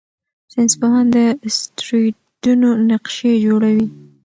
ساینسپوهان د اسټروېډونو نقشې جوړوي.